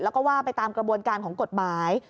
แล้วก็ว่าไปตามกระบวนการของกฎหมาย